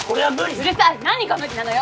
うるさい何が無理なのよ。